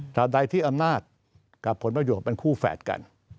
ใดที่อำนาจกับผลประโยชน์เป็นคู่แฝดกัน